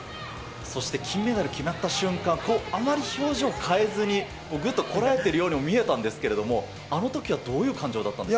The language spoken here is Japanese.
そして金メダル、決まった瞬間、あまり表情を変えずに、ぐっとこらえてるようにも見えたんですけれども、あのときはどういう感情だったんですか。